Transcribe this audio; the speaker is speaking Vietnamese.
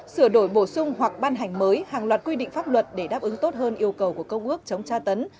sửa đổi bổ sung hoặc ban hành mới hàng loạt quy định pháp luật để đáp ứng tốt hơn yêu cầu của công ước chống tra tấn